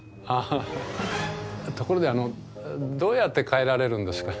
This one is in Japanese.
ところであのどうやって帰られるんですか？